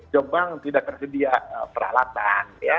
jombang tidak tersedia peralatan